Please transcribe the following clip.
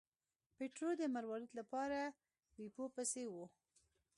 پیټرو د مروارید لپاره بیپو پسې و.